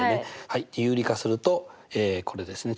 はい有理化するとこれですね。